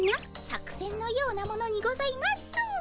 作せんのようなものにございます。